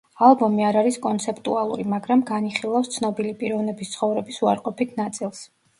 ალბომი არ არის კონცეპტუალური, მაგრამ განიხილავს ცნობილი პიროვნების ცხოვრების უარყოფით ნაწილს.